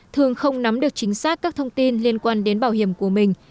thường không nắm được chính xác các thông tin liên quan đến bảo hiểm của mình